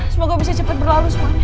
semoga bisa cepet berlalu semuanya